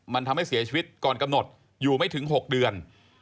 มันทำให้เสียชีวิตก่อนกำหนดอยู่ไม่ถึง๖เดือน